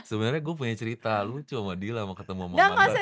sebenernya gue punya cerita lucu sama dila ketemu sama mbak dayu